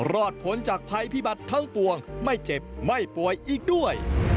รอดผลจากภัยพิบัติทั้งปวงไม่เจ็บไม่ป่วยอีกด้วย